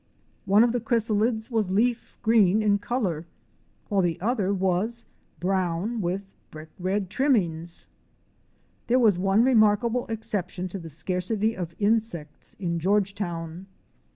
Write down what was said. One of the chrys alids was leaf green in color while the other was brown with brick red trimmings! There was one remarkable exception to the scarcity of insects in Georgetown.